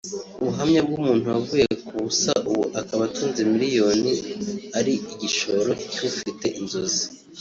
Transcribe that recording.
ubuhamya bw’ umuntu wavuye ku busa ubu akaba atunze miliyoni ari igishoro cy’ ufite inzozi